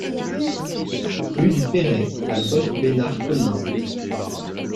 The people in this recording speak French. Rue du Perrey à Bosc-Bénard-Commin